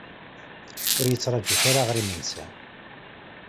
Ur yi-ttrajut ara ɣer imensi.